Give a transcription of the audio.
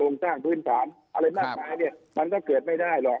สร้างพื้นฐานอะไรมากมายเนี่ยมันก็เกิดไม่ได้หรอก